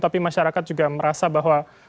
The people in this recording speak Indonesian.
tapi masyarakat juga merasa bahwa